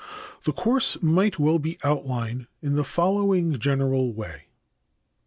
The course might well be outlined in the following general way: I.